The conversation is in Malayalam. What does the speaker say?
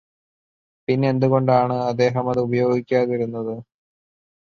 പിന്നെന്തുകൊണ്ടാണ് അദ്ദേഹമത് ഉപയോഗിക്കാതിരുന്നത്